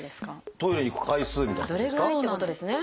トイレに行く回数みたいなことですか？